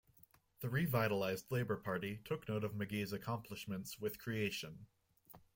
The revitalised Labour Party took note of McGee's accomplishments with Creation.